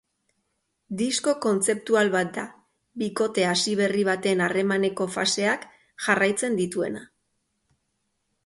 Disko kontzeptual bat da, bikote hasi berri baten harremaneko faseak jarraitzen dituena.